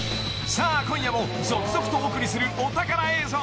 ［さあ今夜も続々とお送りするお宝映像］